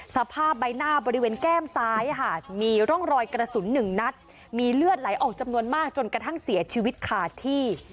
สภาพใบหน้าบริเวณแก้มซ้ายค่ะมีร่องรอยกระสุนหนึ่งนัดมีเลือดไหลออกจำนวนมากจนกระทั่งเสียชีวิตขาดที่